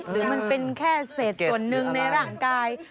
หรือมันเป็นแค่เศษส่วนหนึ่งในร่างกาย